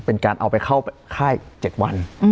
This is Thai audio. เป็นการเอาไปเข้าค่าย๗วัน